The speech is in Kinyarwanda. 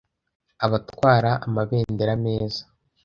abatwara amabendera meza